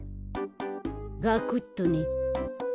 ガクッとね。